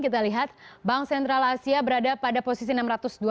kita lihat bank sentral asia berada pada posisi enam ratus dua puluh